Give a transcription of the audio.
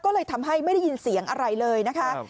ก็เลยทำให้ไม่ได้ยินเสียงอะไรเลยนะคะ